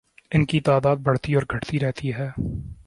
ان کی تعداد بڑھتی اور گھٹتی رہتی ہے